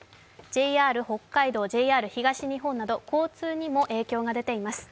ＪＲ北海道、ＪＲ東日本など交通にも影響が出ています。